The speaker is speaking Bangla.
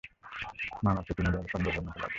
মামার প্রতি মাঝে মাঝে সন্দেহ জন্মিতে লাগিল।